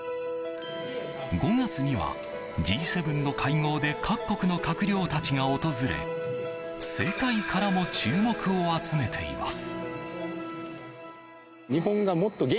５月には、Ｇ７の会合で各国の閣僚たちが訪れ世界からも注目を集めています。